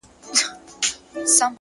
پرمختګ د ثبات او هڅې ګډه مېوه ده!.